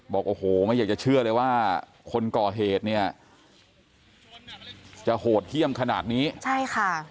บอกโอ้โหไม่อยากจะเชื่อเลยว่าคนก่อเหตุเนี่ยจะโหดเยี่ยมขนาดนี้ใช่ค่ะ